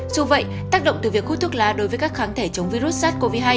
dù vậy tác động từ việc hút thuốc lá đối với các kháng thể chống virus sars cov hai